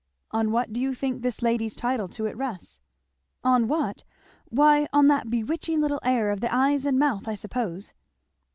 "On what do you think this lady's title to it rests?" "On what? why on that bewitching little air of the eyes and mouth, I suppose."